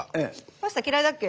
パスタ嫌いだっけ？